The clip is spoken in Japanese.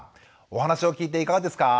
お話を聞いていかがですか？